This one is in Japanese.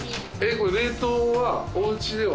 冷凍はおうちでは。